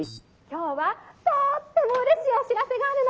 「今日はとってもうれしいお知らせがあるの！